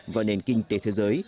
và nền kinh tế thế giới